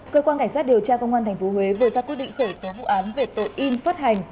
cơ quan cảnh sát điều tra công an tp huế vừa ra quyết định khởi tố vụ án về tội in phát hành